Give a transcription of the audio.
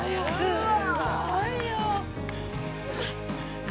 うわ。